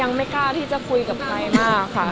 ต้านไปต้านก็ยังกล้าที่จะคุยกับใครมากค่ะ